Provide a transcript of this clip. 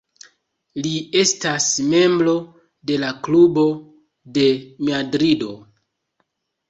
Li estas membro de la Klubo de Madrido.